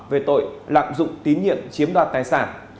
về tội lạm dụng tín nhiệm chiếm đoạt tài sản